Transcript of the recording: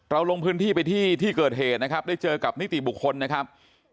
เราลงพื้นที่ไปที่เกิดเหตุได้เจอกับนิติบุคคลนะครับ